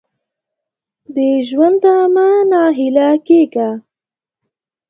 د ژونده مه نا هیله کېږه !